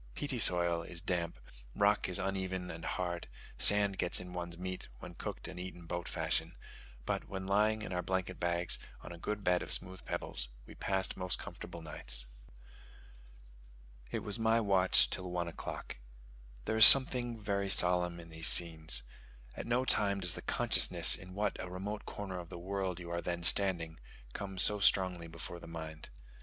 Peaty soil is damp; rock is uneven and hard; sand gets into one's meat, when cooked and eaten boat fashion; but when lying in our blanket bags, on a good bed of smooth pebbles, we passed most comfortable nights. It was my watch till one o'clock. There is something very solemn in these scenes. At no time does the consciousness in what a remote corner of the world you are then standing, come so strongly before the mind.